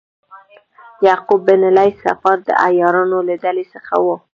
یعقوب بن لیث صفار د عیارانو له ډلې څخه و.